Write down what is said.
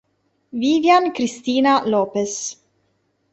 Vivian Cristina Lopes